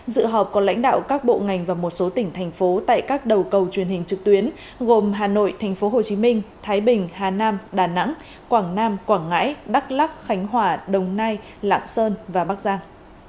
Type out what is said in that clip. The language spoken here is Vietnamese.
dự họp có lãnh đạo các bộ ngành và một số tỉnh thành phố tại các đầu cầu truyền hình trực tuyến gồm hà nội tp hcm thái bình hà nam đà nẵng quảng nam quảng ngãi đắk lắc khánh hòa đồng nai lạng sơn và bắc giang